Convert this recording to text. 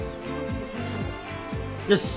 よし。